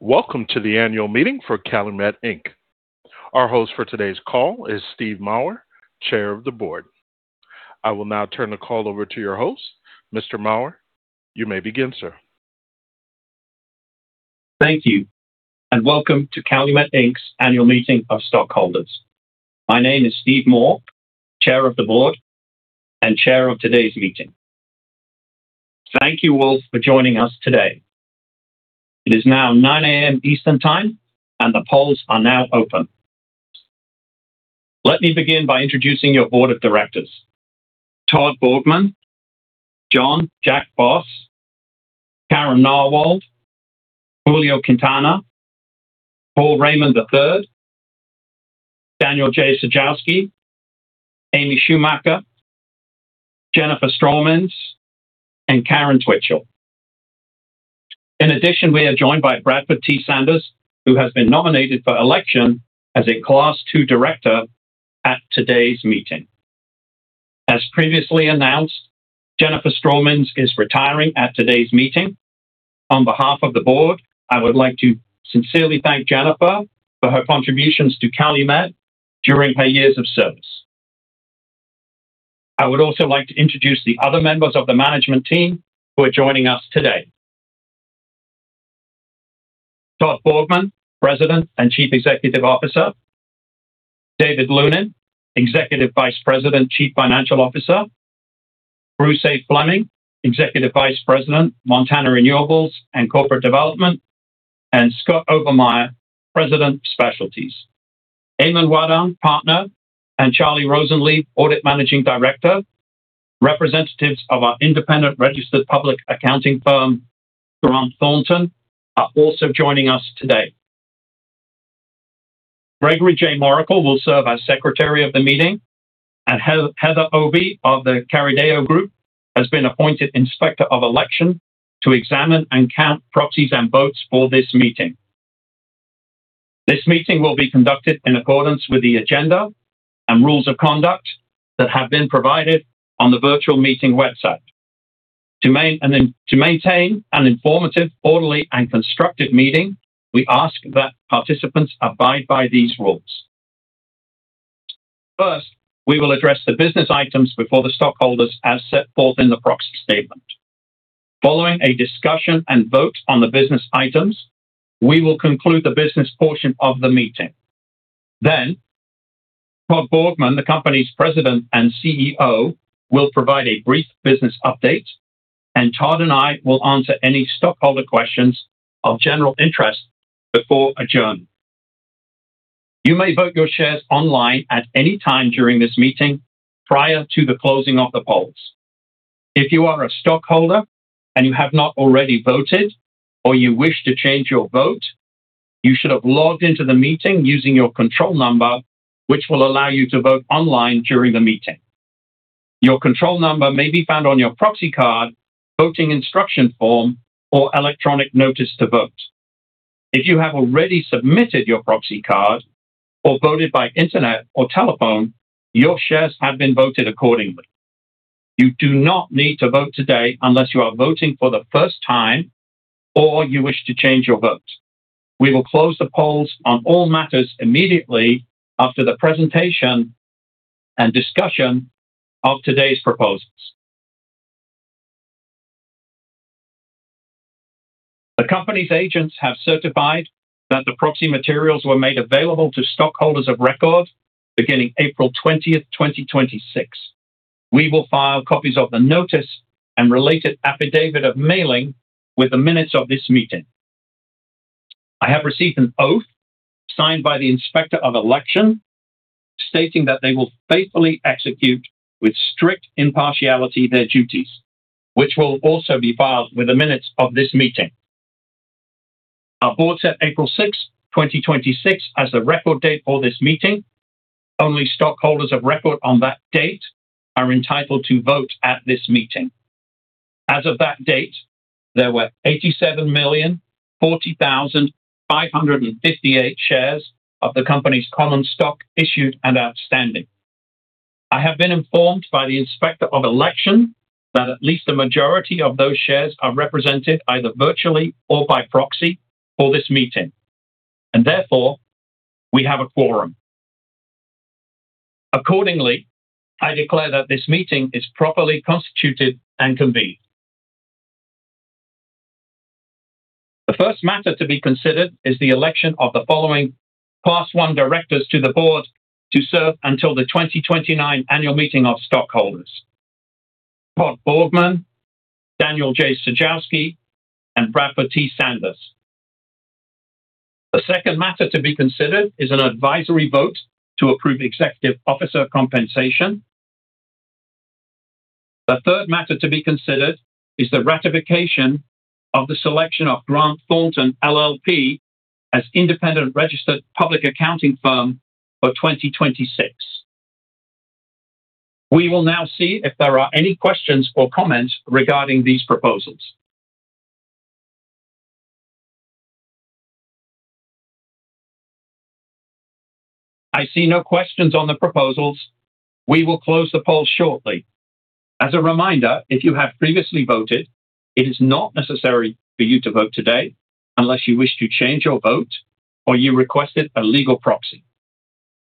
Welcome to the annual meeting for Calumet Inc. Our host for today's call is Steve Mawer, Chair of the Board. I will now turn the call over to your host. Mr. Mawer, you may begin, sir. Thank you. Welcome to Calumet Inc's annual meeting of stockholders. My name is Steve Mawer, Chair of the Board and Chair of today's meeting. Thank you all for joining us today. It is now 9:00 A.M. Eastern Time, and the polls are now open. Let me begin by introducing your Board of Directors, Todd Borgmann, John Jack Boss, Karen Narwold, Julio Quintana, Paul Raymond III, Daniel J. Sajkowski, Amy Schumacher, Jennifer Straumins, and Karen Twitchell. In addition, we are joined by Bradford T. Sanders, who has been nominated for election as a class 2 director at today's meeting. As previously announced, Jennifer Straumins is retiring at today's meeting. On behalf of the Board, I would like to sincerely thank Jennifer for her contributions to Calumet during her years of service. I would also like to introduce the other members of the management team who are joining us today. Todd Borgmann, President and Chief Executive Officer, David Lunin, Executive Vice President, Chief Financial Officer, Bruce A. Fleming, Executive Vice President, Montana Renewables and Corporate Development, and Scott Obermeier, President, Specialties. Eamonn Wadden, Partner, and Charlie Rosenblatt, Audit Managing Director, representatives of our independent registered public accounting firm, Grant Thornton, are also joining us today. Gregory J. Morical will serve as secretary of the meeting, and Heather Obi of The Carideo Group has been appointed Inspector of Election to examine and count proxies and votes for this meeting. This meeting will be conducted in accordance with the agenda and rules of conduct that have been provided on the virtual meeting website. To maintain an informative, orderly, and constructive meeting, we ask that participants abide by these rules. First, we will address the business items before the stockholders as set forth in the proxy statement. Following a discussion and vote on the business items, we will conclude the business portion of the meeting. Todd Borgmann, the company's President and CEO, will provide a brief business update, and Todd and I will answer any stockholder questions of general interest before adjourning. You may vote your shares online at any time during this meeting prior to the closing of the polls. If you are a stockholder and you have not already voted or you wish to change your vote, you should have logged into the meeting using your control number, which will allow you to vote online during the meeting. Your control number may be found on your proxy card, voting instruction form, or electronic notice to vote. If you have already submitted your proxy card or voted by internet or telephone, your shares have been voted accordingly. You do not need to vote today unless you are voting for the first time or you wish to change your vote. We will close the polls on all matters immediately after the presentation and discussion of today's proposals. The company's agents have certified that the proxy materials were made available to stockholders of record beginning April 20th, 2026. We will file copies of the notice and related affidavit of mailing with the minutes of this meeting. I have received an oath signed by the Inspector of Election stating that they will faithfully execute with strict impartiality their duties, which will also be filed with the minutes of this meeting. Our board set April 6th, 2026, as the record date for this meeting. Only stockholders of record on that date are entitled to vote at this meeting. As of that date, there were 87,040,558 shares of the company's common stock issued and outstanding. I have been informed by the Inspector of Election that at least a majority of those shares are represented either virtually or by proxy for this meeting, and therefore, we have a quorum. I declare that this meeting is properly constituted and convened. The first matter to be considered is the election of the following class 1 directors to the board to serve until the 2029 annual meeting of stockholders, Todd Borgmann, Daniel J. Sajkowski, and Bradford T. Sanders. The second matter to be considered is an advisory vote to approve executive officer compensation. The third matter to be considered is the ratification of the selection of Grant Thornton LLP as independent registered public accounting firm for 2026. We will now see if there are any questions or comments regarding these proposals. I see no questions on the proposals. We will close the poll shortly. As a reminder, if you have previously voted, it is not necessary for you to vote today unless you wish to change your vote or you requested a legal proxy.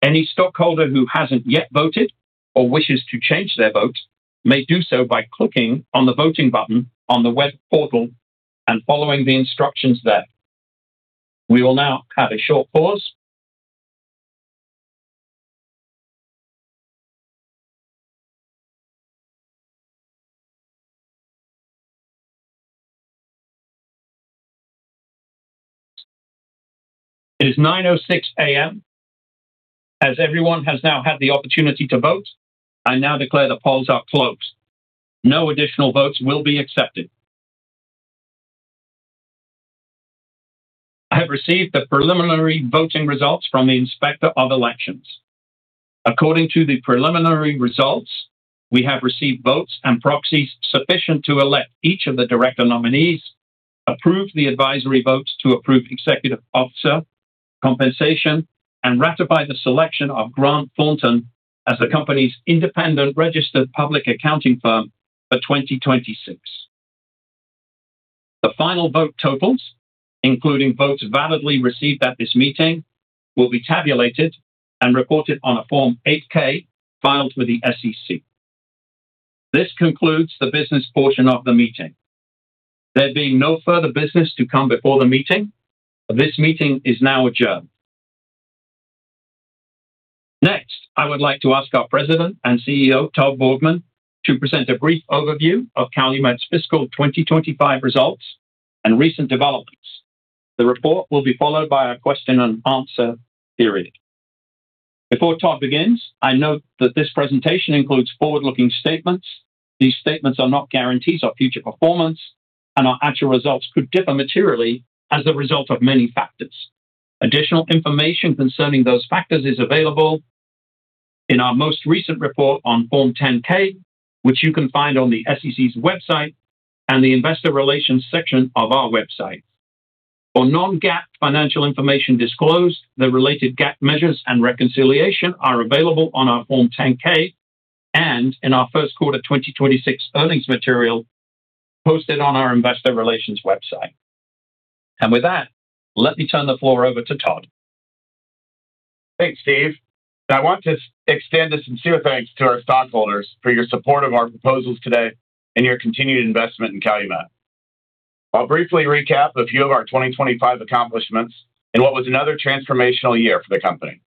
Any stockholder who hasn't yet voted or wishes to change their vote may do so by clicking on the voting button on the web portal and following the instructions there. We will now have a short pause. It is 9:06 A.M. As everyone has now had the opportunity to vote, I now declare the polls are closed. No additional votes will be accepted. I have received the preliminary voting results from the Inspector of Election. According to the preliminary results, we have received votes and proxies sufficient to elect each of the director nominees, approve the advisory votes to approve executive officer compensation, and ratify the selection of Grant Thornton as the company's independent registered public accounting firm for 2026. The final vote totals, including votes validly received at this meeting, will be tabulated and reported on a Form 8-K filed with the SEC. This concludes the business portion of the meeting. There being no further business to come before the meeting, this meeting is now adjourned. Next, I would like to ask our President and CEO, Todd Borgmann, to present a brief overview of Calumet's fiscal 2025 results and recent developments. The report will be followed by a question and answer period. Before Todd begins, I note that this presentation includes forward-looking statements. These statements are not guarantees of future performance, and our actual results could differ materially as a result of many factors. Additional information concerning those factors is available in our most recent report on Form 10-K, which you can find on the SEC's website and the investor relations section of our website. For non-GAAP financial information disclosed, the related GAAP measures and reconciliation are available on our Form 10-K and in our first quarter 2026 earnings material posted on our investor relations website. With that, let me turn the floor over to Todd. Thanks, Steve. I want to extend a sincere thanks to our stockholders for your support of our proposals today and your continued investment in Calumet. I'll briefly recap a few of our 2025 accomplishments in what was another transformational year for the company.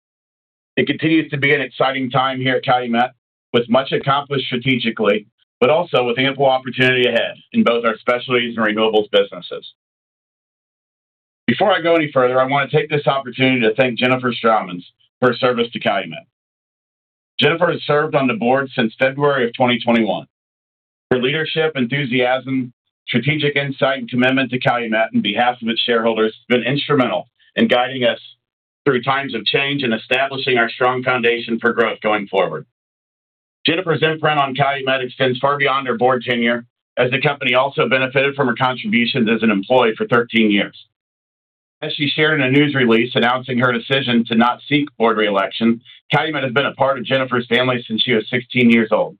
It continues to be an exciting time here at Calumet, with much accomplished strategically, but also with ample opportunity ahead in both our specialties and renewables businesses. Before I go any further, I want to take this opportunity to thank Jennifer Straumins for her service to Calumet. Jennifer has served on the board since February of 2021. Her leadership, enthusiasm, strategic insight, and commitment to Calumet on behalf of its shareholders has been instrumental in guiding us through times of change and establishing our strong foundation for growth going forward. Jennifer's imprint on Calumet extends far beyond her board tenure, as the company also benefited from her contributions as an employee for 13 years. As she shared in a news release announcing her decision to not seek board reelection, Calumet has been a part of Jennifer's family since she was 16 years old.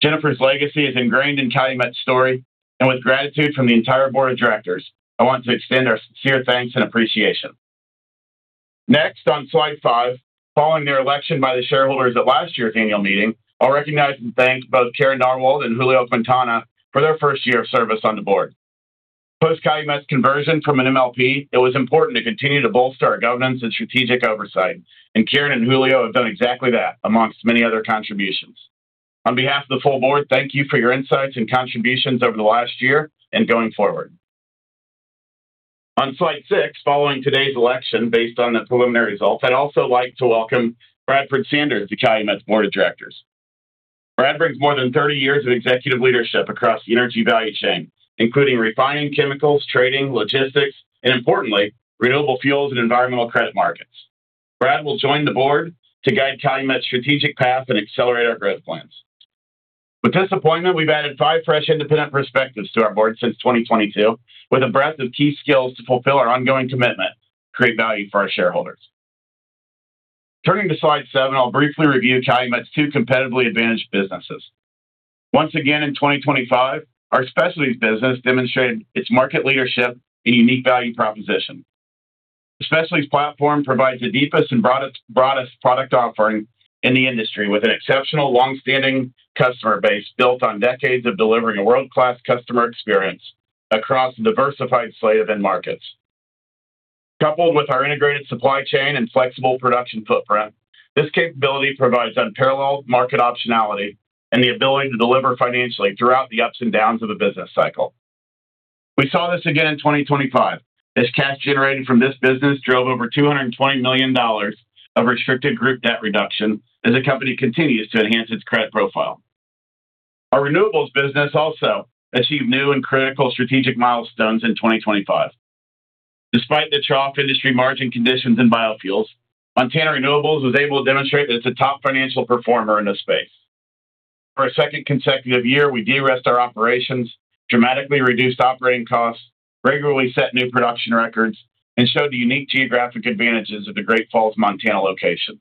Jennifer's legacy is ingrained in Calumet's story, and with gratitude from the entire board of directors, I want to extend our sincere thanks and appreciation. Next, on slide five, following their election by the shareholders at last year's annual meeting, I'll recognize and thank both Karen Narwold and Julio Quintana for their first year of service on the board. Post Calumet's conversion from an MLP, it was important to continue to bolster our governance and strategic oversight, and Karen and Julio have done exactly that, amongst many other contributions. On behalf of the full board, thank you for your insights and contributions over the last year and going forward. On slide six, following today's election, based on the preliminary results, I'd also like to welcome Bradford Sanders to Calumet's board of directors. Brad brings more than 30 years of executive leadership across the energy value chain, including refining chemicals, trading, logistics, and importantly, renewable fuels and environmental credit markets. Brad will join the board to guide Calumet's strategic path and accelerate our growth plans. With this appointment, we've added five fresh, independent perspectives to our board since 2022, with a breadth of key skills to fulfill our ongoing commitment to create value for our shareholders. Turning to slide seven, I'll briefly review Calumet's two competitively advantaged businesses. Once again in 2025, our Specialties business demonstrated its market leadership and unique value proposition. The specialties platform provides the deepest and broadest product offering in the industry, with an exceptional long-standing customer base built on decades of delivering a world-class customer experience across a diversified slate of end markets. Coupled with our integrated supply chain and flexible production footprint, this capability provides unparalleled market optionality and the ability to deliver financially throughout the ups and downs of a business cycle. We saw this again in 2025 as cash generated from this business drove over $220 million of restricted group debt reduction as the company continues to enhance its credit profile. Our renewables business also achieved new and critical strategic milestones in 2025. Despite the trough industry margin conditions in biofuels, Montana Renewables was able to demonstrate that it's a top financial performer in the space. For our second consecutive year, we de-risked our operations, dramatically reduced operating costs, regularly set new production records, and showed the unique geographic advantages of the Great Falls, Montana location.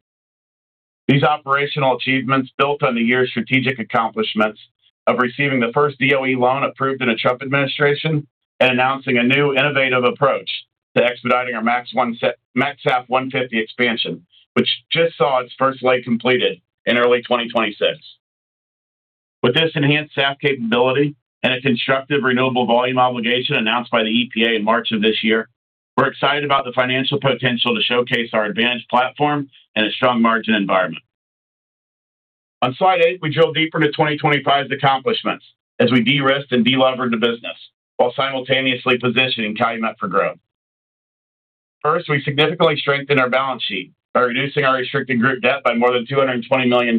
These operational achievements built on the year's strategic accomplishments of receiving the first DOE loan approved in the Trump administration, and announcing a new innovative approach to expediting our MaxSAF 150 expansion, which just saw its first leg completed in early 2026. With this enhanced SAF capability and a constructive renewable volume obligation announced by the EPA in March of this year, we're excited about the financial potential to showcase our advantage platform and a strong margin environment. On slide eight, we drill deeper to 2025's accomplishments as we de-risked and de-levered the business, while simultaneously positioning Calumet for growth. First, we significantly strengthened our balance sheet by reducing our restricted group debt by more than $220 million,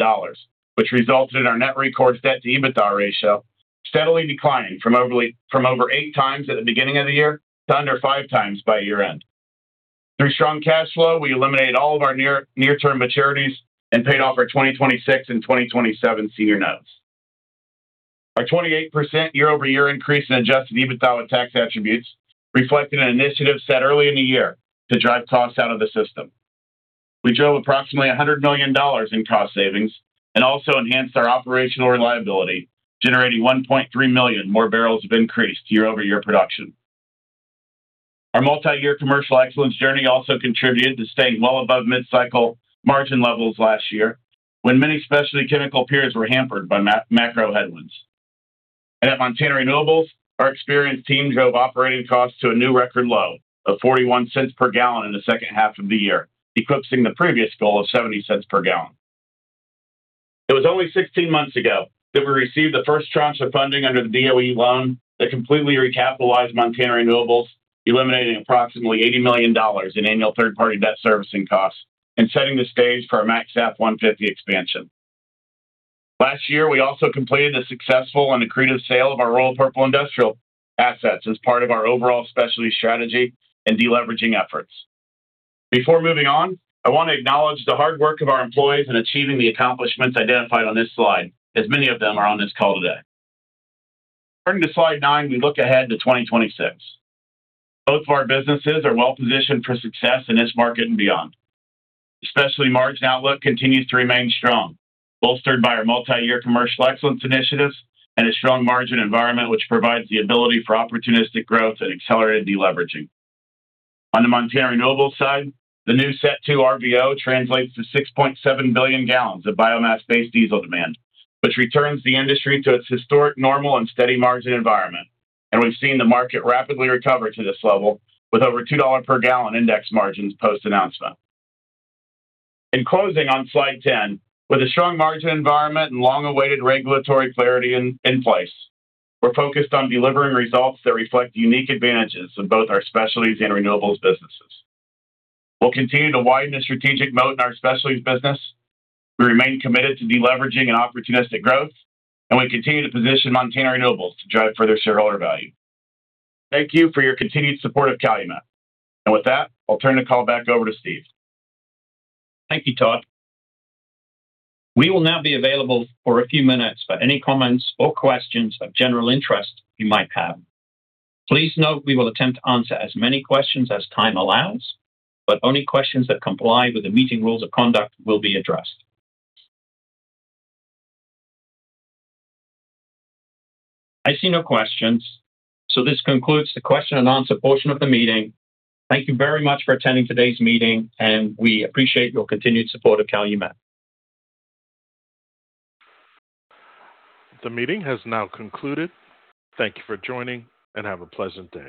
which resulted in our net record debt to EBITDA ratio steadily declining from over 8x at the beginning of the year to under 5x by year-end. Through strong cash flow, we eliminated all of our near-term maturities and paid off our 2026 and 2027 senior notes. Our 28% year-over-year increase in adjusted EBITDA with tax attributes reflected an initiative set early in the year to drive costs out of the system. Also enhanced our operational reliability, generating 1.3 million more barrels of increased year-over-year production. Our multi-year commercial excellence journey also contributed to staying well above mid-cycle margin levels last year, when many specialty chemical peers were hampered by macro headwinds. At Montana Renewables, our experienced team drove operating costs to a new record low of $0.41 per gallon in the second half of the year, eclipsing the previous goal of $0.70 per gallon. It was only 16 months ago that we received the first tranche of funding under the DOE loan that completely recapitalized Montana Renewables, eliminating approximately $80 million in annual third-party debt servicing costs, Setting the stage for our Max SAF 150 expansion. Last year, we also completed the successful and accretive sale of our Royal Purple industrial assets as part of our overall specialty strategy and de-leveraging efforts. Before moving on, I want to acknowledge the hard work of our employees in achieving the accomplishments identified on this slide, as many of them are on this call today. Turning to slide nine, we look ahead to 2026. Both of our businesses are well-positioned for success in this market and beyond. Specialty margin outlook continues to remain strong, bolstered by our multi-year commercial excellence initiatives and a strong margin environment which provides the ability for opportunistic growth and accelerated de-leveraging. On the Montana Renewables side, the new Set 2 RVO translates to 6.7 billion gallons of biomass-based diesel demand, which returns the industry to its historic normal and steady margin environment. We've seen the market rapidly recover to this level with over $2 per gallon index margins post-announcement. In closing on slide 10, with a strong margin environment and long-awaited regulatory clarity in place, we're focused on delivering results that reflect the unique advantages of both our specialties and renewables businesses. We'll continue to widen the strategic moat in our specialties business. We remain committed to de-leveraging and opportunistic growth, and we continue to position Montana Renewables to drive further shareholder value. Thank you for your continued support of Calumet. And with that, I'll turn the call back over to Steve. Thank you, Todd. We will now be available for a few minutes for any comments or questions of general interest you might have. Please note we will attempt to answer as many questions as time allows, but only questions that comply with the meeting rules of conduct will be addressed. I see no questions, so this concludes the question and answer portion of the meeting. Thank you very much for attending today's meeting, and we appreciate your continued support of Calumet. The meeting has now concluded. Thank you for joining, and have a pleasant day.